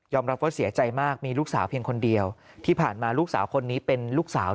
รับว่าเสียใจมากมีลูกสาวเพียงคนเดียวที่ผ่านมาลูกสาวคนนี้เป็นลูกสาว